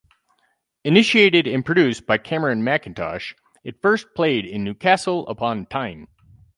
Initiated and produced by Cameron Mackintosh, it first played in Newcastle upon Tyne.